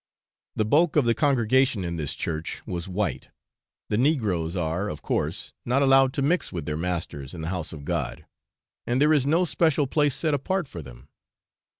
The bulk of the congregation in this church was white. The negroes are, of course, not allowed to mix with their masters in the house of God, and there is no special place set apart for them.